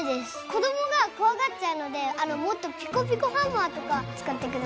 こどもが怖がっちゃうのでもっとピコピコハンマーとか使ってください。